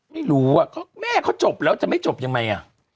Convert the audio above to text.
ไม่รู้ว่าแม่เขาจบแล้วจะไม่จบยังไงอ่ะ